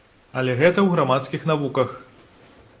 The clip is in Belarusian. Але гэта ў грамадскіх навуках.